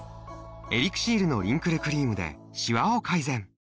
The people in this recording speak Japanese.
エリクシールのリンクルクリームでしわを改善！